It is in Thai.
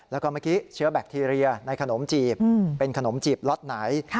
แล้วก็เชื้อแบคทีเรียในขนมจีบเป็นขนมจีบลอดไหน